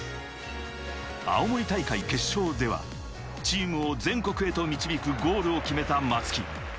青森大会決勝では、チームを全国へと導くゴールを決めた松木。